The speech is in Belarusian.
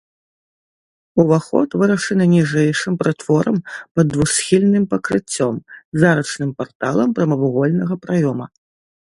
Уваход вырашаны ніжэйшым прытворам пад двухсхільным пакрыццём, з арачным парталам прамавугольнага праёма.